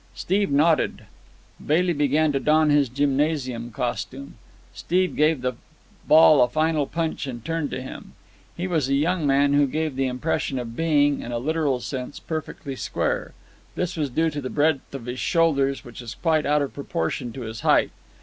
Steve nodded. Bailey began to don his gymnasium costume. Steve gave the ball a final punch and turned to him. He was a young man who gave the impression of being, in a literal sense, perfectly square. This was due to the breadth of his shoulders, which was quite out of proportion to his height.